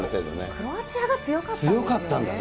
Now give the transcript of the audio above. クロアチアが強かったよね。